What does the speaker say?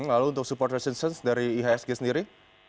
lalu untuk support resistance dari ihsg sendiri